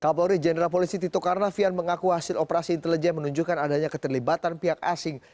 kapolri jenderal polisi tito karnavian mengaku hasil operasi intelijen menunjukkan adanya keterlibatan pihak asing